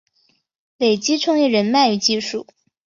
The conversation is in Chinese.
累积创业人脉与技术